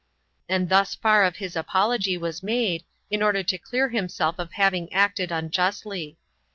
And thus far of his apology was made, in order to clear himself of having acted unjustly.